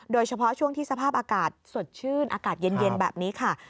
โดยเฉพาะช่วงที่สภาพอากาศสดชื่นอากาศเย็นแบบนี้ค่ะ